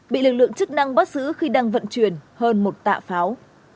bị lực lượng chức năng bắt giữ khi đang vận chuyển hơn một tạ pháo